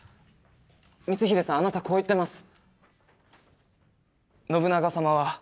光秀さんあなたこう言ってます。